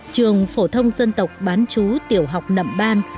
trường phổ thông dân tộc bán chú tiểu học nậm ban